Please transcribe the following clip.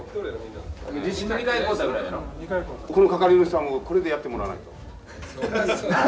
ここの係主さんがこれでやってもらわないと。